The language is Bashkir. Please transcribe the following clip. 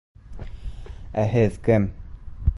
— Ә һеҙ кем?